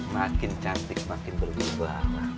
makin cantik makin berguna